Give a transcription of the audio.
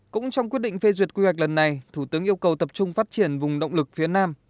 cũng trong quyết định phê duyệt quy hoạch lần này thủ tướng yêu cầu tập trung phát triển vùng động lực phía nam